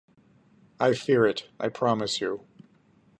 I fear it, I promise you.